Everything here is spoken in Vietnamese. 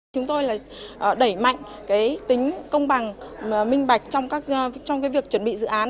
chúng tôi đẩy mạnh tính công bằng minh bạch trong việc chuẩn bị dự án